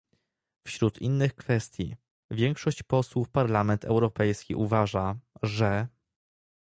Wśród innych kwestii, większość posłów Parlament Europejski uważa, że